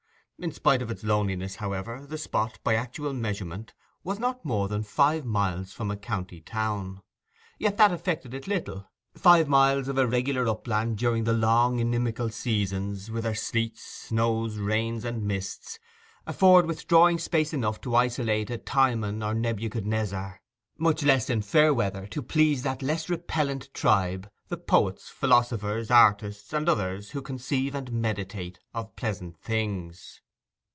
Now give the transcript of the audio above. In spite of its loneliness, however, the spot, by actual measurement, was not more than five miles from a county town. Yet that affected it little. Five miles of irregular upland, during the long inimical seasons, with their sleets, snows, rains, and mists, afford withdrawing space enough to isolate a Timon or a Nebuchadnezzar; much less, in fair weather, to please that less repellent tribe, the poets, philosophers, artists, and others who 'conceive and meditate of pleasant things.